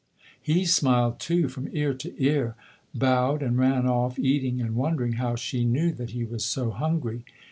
He smiled, too, from ear to ear, bowed and ran off eating and wondering how she knew that he was so hungry.